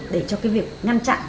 để cho cái việc ngăn chặn